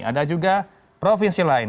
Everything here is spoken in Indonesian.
ada juga provinsi lain